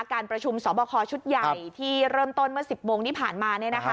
การประชุมสอบคอชุดใหญ่ที่เริ่มต้นเมื่อ๑๐โมงที่ผ่านมา